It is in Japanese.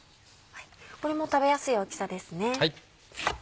これも食べやすい大きさですね。